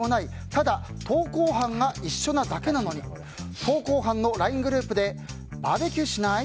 ただ登校班が一緒なだけなのに登校班のＬＩＮＥグループでバーベキューしない？